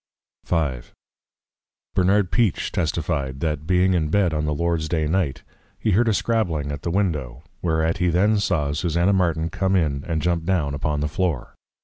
V. Bernard Peache testifi'd, That being in Bed, on the Lord's day Night, he heard a scrabbling at the Window, whereat he then saw Susanna Martin come in, and jump down upon the Floor.